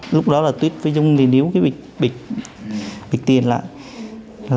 lúc đó là tuyết với dung thì níu cái bịch tiền lại